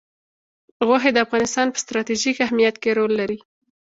غوښې د افغانستان په ستراتیژیک اهمیت کې رول لري.